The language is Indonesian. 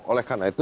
oleh karena itu